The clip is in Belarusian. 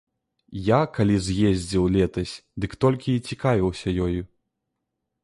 Я, калі з'ездзіў летась, дык толькі і цікавіўся ёю.